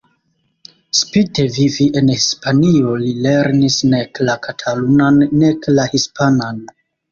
Spite vivi en Hispanio li lernis nek la katalunan nek la hispanan.